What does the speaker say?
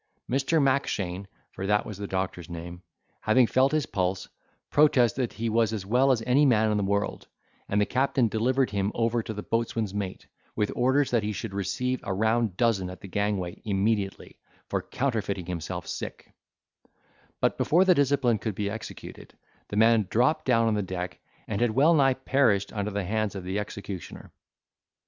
Mr. Mackshane (for that was the doctor's name), having felt his pulse, protested he was as well as any man in the world; and the captain delivered him over to the boatswain's mate, with orders that he should receive a round dozen at the gangway immediately, for counterfeiting himself sick; but, before the discipline could be executed, the man dropped down on the deck, and had well nigh perished under the hands of the executioner.